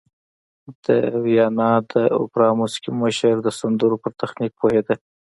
د ویانا د اوپرا موسیقي مشر د سندرو پر تخنیک پوهېده